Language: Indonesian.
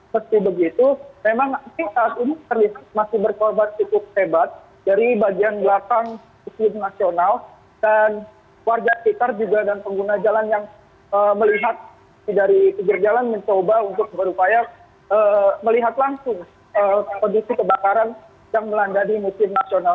meski begitu memang saat ini terlihat masih berkorban cukup hebat dari bagian belakang museum nasional dan warga sekitar juga dan pengguna jalan yang melihat dari pinggir jalan mencoba untuk berupaya melihat langsung kondisi kebakaran yang melanda di museum nasional